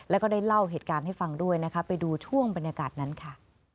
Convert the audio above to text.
แล้วก็ได้เล่าเหตุการณ์ให้ฟังด้วยนะคะไปดูช่วงบรรยากาศนั้นค่ะ